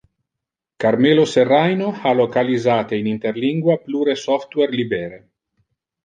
Carmelo Serraino ha localisate in interlingua plure software libere.